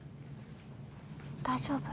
大丈夫？